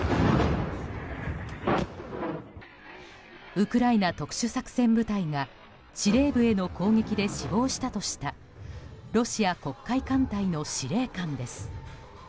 ウクライナ特殊作戦部隊が司令部への攻撃で死亡したとしたロシア黒海艦隊の司令官です。